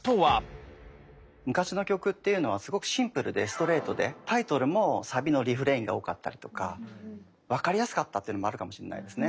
昔の曲っていうのはすごくシンプルでストレートでタイトルもサビのリフレインが多かったりとかわかりやすかったっていうのもあるかもしんないですね。